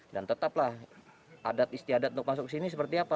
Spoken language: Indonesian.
dan tetaplah adat istiadat untuk masuk ke sini seperti apa